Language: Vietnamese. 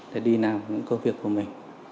để đi làm những công việc của mình